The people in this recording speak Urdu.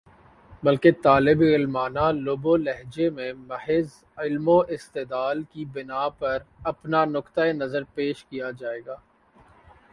بلکہ طالبِ علمانہ لب و لہجے میں محض علم و استدلال کی بنا پر اپنا نقطۂ نظر پیش کیا جائے گا